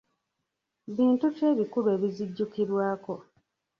Bintu ki ebikulu ebizijjukirwako?